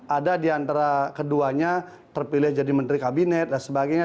ada diantara keduanya terpilih jadi menteri kabinet dan sebagainya